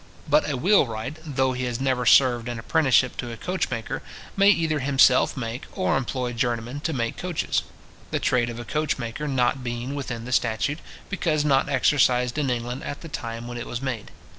But a wheel wright, though he has never served an apprenticeship to a coachmaker, may either himself make or employ journeymen to make coaches; the trade of a coachmaker not being within the statute, because not exercised in England at the time when it was made.